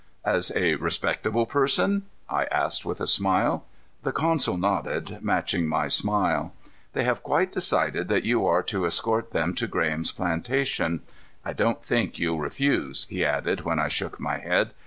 "As a respectable person?" I asked with a smile. The consul nodded, matching my smile. "They have quite decided that you are to escort them to Graham's plantation. I don't think you'll refuse," he added, when I shook my head.